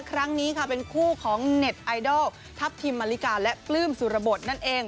ครั้งนี้ค่ะเป็นคู่ของเน็ตไอดอลทัพทิมมาริกาและปลื้มสุรบทนั่นเอง